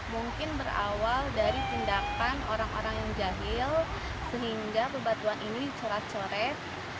mungkin berawal dari tindakan orang orang yang jahil sehingga bebatuan ini corak coret